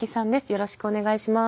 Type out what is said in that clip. よろしくお願いします。